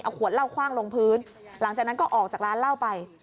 ขวดเหล้าคว่างลงพื้นหลังจากนั้นก็ออกจากร้านเหล้าไป